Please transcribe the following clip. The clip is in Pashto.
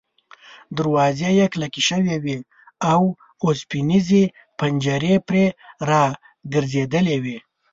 دروازې یې کلکې شوې وې او اوسپنیزې پنجرې پرې را ګرځېدلې وې.